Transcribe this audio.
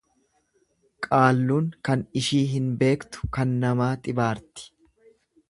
Qaalluun kan ishii hin beektu kan namaa xibaarti.